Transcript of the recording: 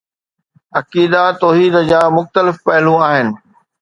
عقیده توحيد جا مختلف پهلو آهن